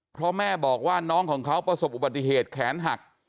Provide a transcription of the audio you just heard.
เพราะแม่บอกว่าน้องของเขาประสบอุบัติเหตุแขนหัก